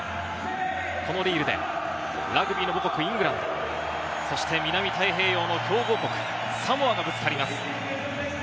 このリールでラグビーの母国イングランド、そして南太平洋の強豪国サモアがぶつかります。